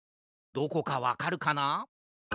どこかわかるかな？